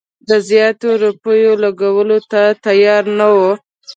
د زیاتو روپیو لګولو ته تیار نه وو.